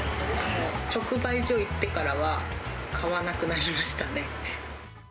直売所行ってからは、買わなくなりましたね。